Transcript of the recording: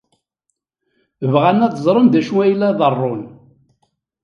Bɣan ad ẓren d acu ay la iḍerrun.